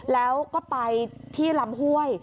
แล้วก็ไปที่ลำห้วย